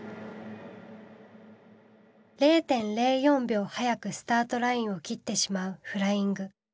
０．０４秒早くスタートラインを切ってしまうフライング。